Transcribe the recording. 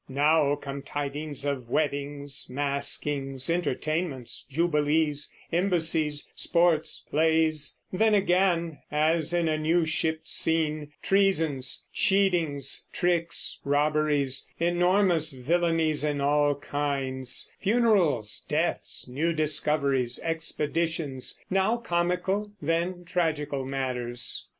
Now come tidings of weddings, maskings, entertainments, jubilees, embassies, sports, plays; then again, as in a new shipped scene, treasons, cheatings, tricks, robberies, enormous villainies in all kinds, funerals, deaths, new discoveries, expeditions; now comical, then tragical matters.....